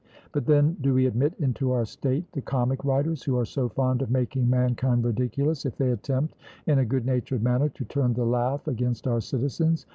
But then, do we admit into our state the comic writers who are so fond of making mankind ridiculous, if they attempt in a good natured manner to turn the laugh against our citizens?